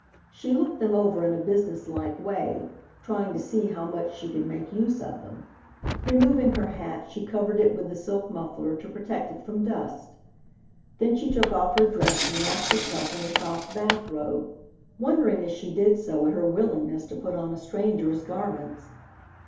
She looked them over in a business like way, trying to see how she could make use of them. Removing her hat, she covered it with the silk muffler, to protect it from dust. Then she took off her dress and wrapped herself in the soft bath robe, wondering as she did so at her willingness to put on a stranger's garments.